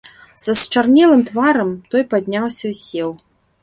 Са счарнелым тварам, той падняўся і сеў.